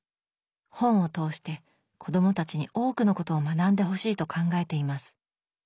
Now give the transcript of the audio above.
本を通して子どもたちに多くのことを学んでほしいと考えています